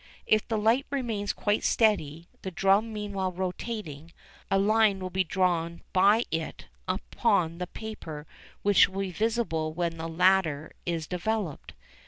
If the light remains quite steady, the drum meanwhile rotating, a line will be drawn by it upon the paper which will be visible when the latter is developed.